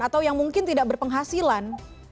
atau yang mungkin tidak berpenghasilan